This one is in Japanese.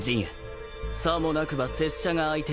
さもなくば拙者が相手をいたす。